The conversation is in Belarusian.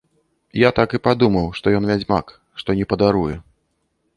Я так і падумаў, што ён вядзьмак, што не падаруе.